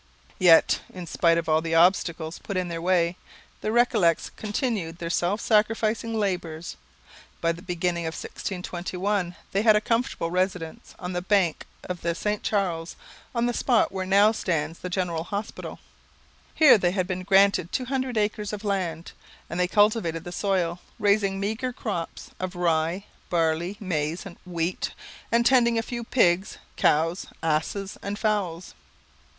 Yet, in spite of all the obstacles put in their way, the Recollets continued their self sacrificing labours. By the beginning of 1621 they had a comfortable residence on the bank of the St Charles, on the spot where now stands the General Hospital. Here they had been granted two hundred acres of land, and they cultivated the soil, raising meagre crops of rye, barley, maize, and wheat, and tending a few pigs, cows, asses, and fowls.